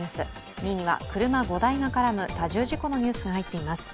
２位には車５台が絡む多重事故のニュースが入っています。